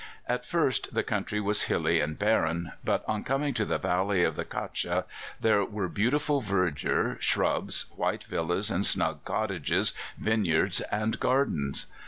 At first the country was hilly and barren, but on coming to the valley of the Katcha there were beautiful verdure, shrubs, white villas and snug cottages, vineyards and gardens.